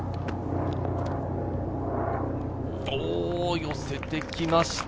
寄せてきました。